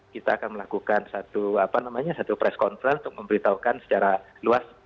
kita akan melakukan satu press conference untuk memberitahukan secara luas